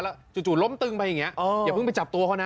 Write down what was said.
แล้วจู่ล้มตึงไปอย่างนี้อย่าเพิ่งไปจับตัวเขานะ